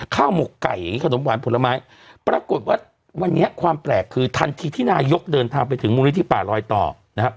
หมกไก่อย่างนี้ขนมหวานผลไม้ปรากฏว่าวันนี้ความแปลกคือทันทีที่นายกเดินทางไปถึงมูลนิธิป่าลอยต่อนะครับ